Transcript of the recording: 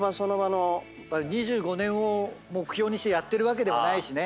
２５年を目標にしてやってるわけではないしね。